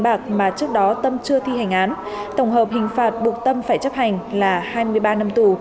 bạc mà trước đó tâm chưa thi hành án tổng hợp hình phạt buộc tâm phải chấp hành là hai mươi ba năm tù